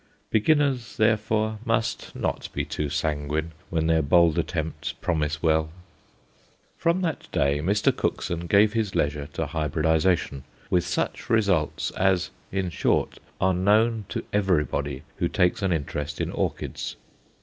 Beginners, therefore, must not be too sanguine when their bold attempts promise well. From that day Mr. Cookson gave his leisure to hybridization, with such results as, in short, are known to everybody who takes an interest in orchids.